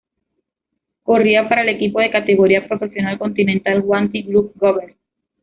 Corría para el equipo de categoría profesional continental Wanty-Groupe Gobert.